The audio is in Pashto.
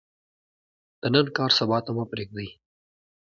د نن کار سبا ته مه پریږدئ